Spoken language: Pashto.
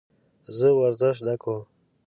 زه ورزش نه کوم.